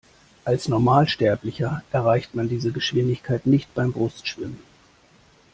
Als Normalsterblicher erreicht man diese Geschwindigkeiten nicht beim Brustschwimmen.